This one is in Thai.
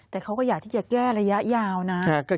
แต่เขาก็อยากที่จะแก้ระยะยาวนะ